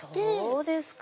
そうですか。